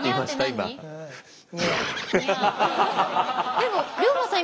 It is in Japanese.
でも龍馬さん